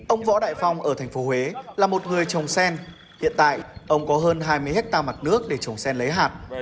ông võ đại phong ở thành phố huế là một người trồng sen hiện tại ông có hơn hai mươi hectare mặt nước để trồng sen lấy hạt